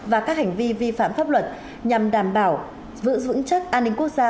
và các hành vi vi phạm pháp luật nhằm đảm bảo vững chất an ninh quốc gia